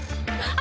あ。